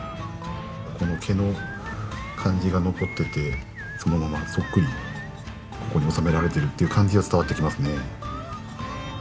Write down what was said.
この毛の感じが残っててそのままそっくりここに収められてるって感じが伝わってきますね。